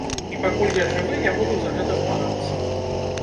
І пакуль я жывы, я буду за гэта змагацца.